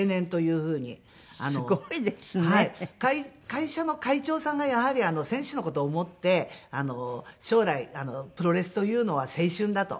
会社の会長さんがやはり選手の事を思って将来プロレスというのは青春だと。